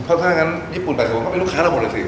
เพราะฉะนั้นญี่ปุ่น๘๐ผลเข้าไปลูกค้าเราหมดหรือสิ